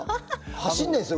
走んないですよ